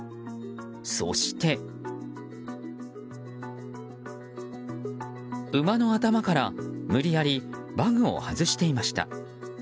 そして、馬の頭から無理矢理馬具を外していました。